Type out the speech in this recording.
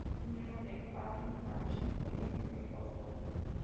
Es miembro del Harris Manchester College, de Oxford.